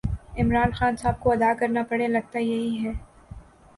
عمران خان صاحب کو ادا کرنا پڑے لگتا یہی ہے